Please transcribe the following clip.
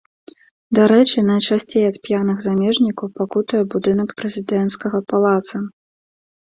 Дарэчы, найчасцей ад п'яных замежнікаў пакутуе будынак прэзідэнцкага палаца.